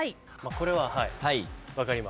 これは分かります。